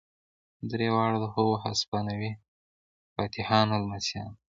درې واړه د هغو هسپانوي فاتحانو لمسیان وو.